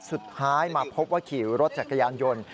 สุดท้ายมาพบว่าขี่รถจักรยานยนต์